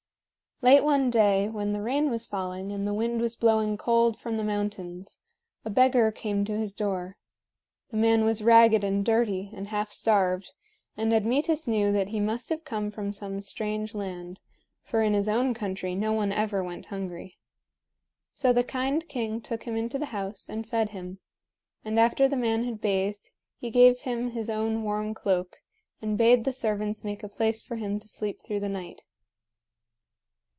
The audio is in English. Late one day, when the rain was falling and the wind was blowing cold from the mountains, a beggar came to his door. The man was ragged and dirty and half starved, and Admetus knew that he must have come from some strange land, for in his own country no one ever went hungry. So the kind king took him into the house and fed him; and after the man had bathed he gave him his own warm cloak, and bade the servants make a place for him to sleep through the night.